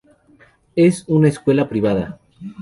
Es una escuela privada.